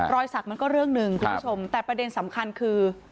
สักมันก็เรื่องหนึ่งคุณผู้ชมแต่ประเด็นสำคัญคือ